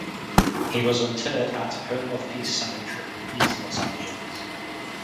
He was interred at Home of Peace Cemetery (East Los Angeles).